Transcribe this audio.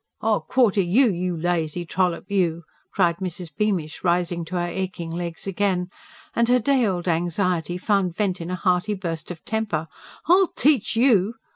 "I'll QUARTER you, you lazy trollop, you!" cried Mrs. Beamish, rising to her aching legs again; and her day old anxiety found vent in a hearty burst of temper. "I'll teach you!"